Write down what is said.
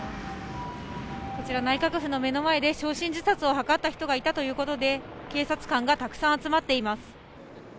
こちら内閣府の目の前で焼身自殺を図った人がいたということで、警察官がたくさん集まっています。